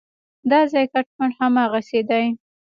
دا ځای کټ مټ هماغسې دی.